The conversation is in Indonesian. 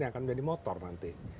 yang akan menjadi motor nanti